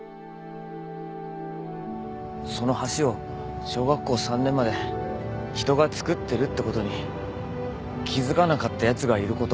その橋を小学校３年まで人が造ってるってことに気付かなかったやつがいること。